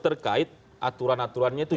terkait aturan aturannya itu